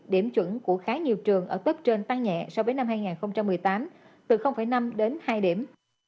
điểm chuẩn của khá nhiều trường ở cấp trên tăng nhẹ so với năm hai nghìn một mươi tám từ năm đến hai điểm